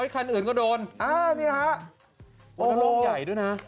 เอ้ยคันอื่นก็โดนอ่าเนี้ยฮะโอ้โหโอ้โหใหญ่ด้วยน่ะ